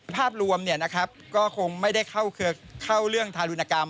ภาพรวมก็คงไม่ได้เข้าเรื่องทารุณกรรม